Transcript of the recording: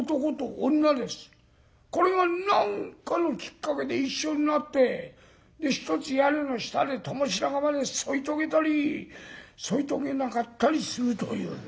これが何かのきっかけで一緒になって一つ屋根の下で共白髪まで添い遂げたり添い遂げなかったりするという。